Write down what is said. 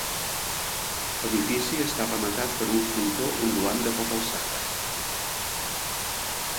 L'edifici està rematat per un frontó ondulant de poca alçada.